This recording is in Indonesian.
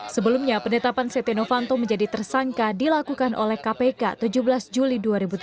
sebelumnya penetapan setia novanto menjadi tersangka dilakukan oleh kpk tujuh belas juli dua ribu tujuh belas